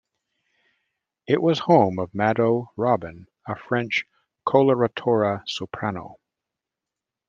It was home of Mado Robin, a French coloratura soprano.